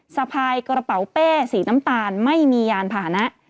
สะพายกระเป๋าเป้สีน้ำตาลไม่มียานผ่านนะ